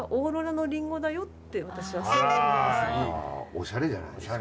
おしゃれじゃないですか。